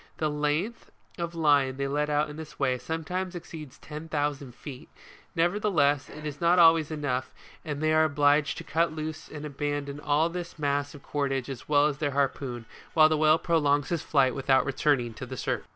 The length of line they let out in this way, sometimes exceeds ten thousand feet : never theless, it is not always enough, and then they are obliged to cut loose and abandon all this mass of cordage as well as their har poon, while the whale prolongs his flight without returning to the surface.